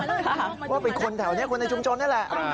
เพราะว่าเป็นคนแถวนี้คนในชุมชนนี่แหละ